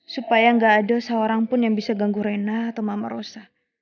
supaya nggak ada seorang pun yang bisa ganggu rena atau mama rosa